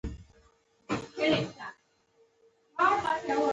فلیریک شراب په تیزۍ سره وڅښل.